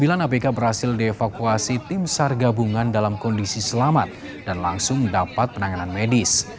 sembilan abk berhasil dievakuasi tim sar gabungan dalam kondisi selamat dan langsung mendapat penanganan medis